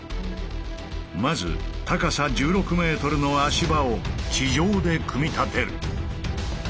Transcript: まず高さ１６ｍの足場を地上で組み立てる。